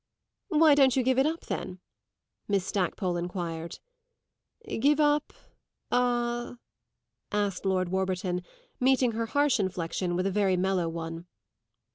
"Why don't you give it up then?" Miss Stackpole enquired. "Give up a ?" asked Lord Warburton, meeting her harsh inflexion with a very mellow one.